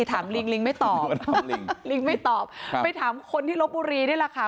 ถามลิงลิงไม่ตอบลิงลิงไม่ตอบไปถามคนที่ลบบุรีนี่แหละค่ะ